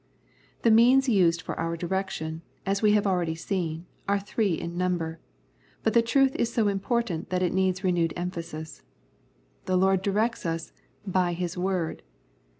The means used for our direction, as we have already seen, are three in number, but the truth is so important that it needs renewed emphasis. The Lord directs us by His Word.